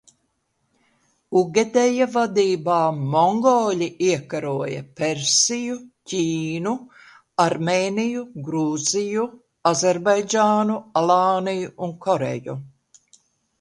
Ugedeja vadībā mongoļi iekaroja Persiju, Ķīnu, Armēniju, Gruziju, Azerbaidžānu, Alāniju un Koreju.